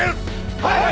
はい！